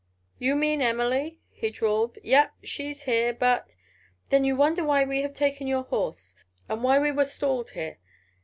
"You mean Emily?" he drawled. "Yep, she's here, but——" "Then, you wonder why we have taken your horse? And why we were stalled here?"